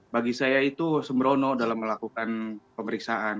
bagi saya itu sembrono dalam melakukan pemeriksaan